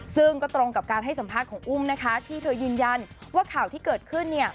ซึ่งก็ตรงกับการให้สัมภาษณ์ของอุ้มนะคะที่เธอยืนยันว่าข่าวที่เกิดขึ้น